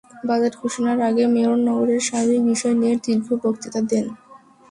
Budget ঘোষণার আগে mayor নগরের সার্বিক বিষয় নিয়ে দীর্ঘ বক্তৃতা দেন।